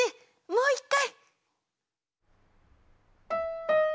もう一回！